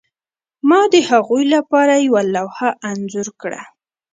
ما د هغوی لپاره یوه لوحه انځور کړه